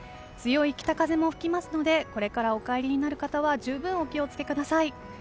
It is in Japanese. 強い北風も吹きますのでこれからお帰りになる方は十分お気を付けください。